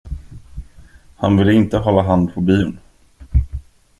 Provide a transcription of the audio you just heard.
Han ville inte hålla hand på bion.